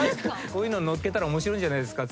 こういうのに載っけたら面白いんじゃないですか？